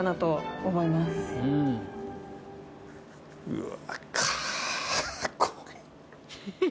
うわ。